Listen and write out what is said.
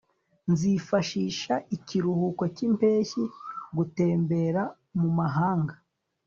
nzifashisha ikiruhuko cyimpeshyi gutembera mumahanga